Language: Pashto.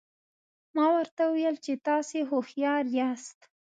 ما ورته وویل چې تاسي هوښیار یاست.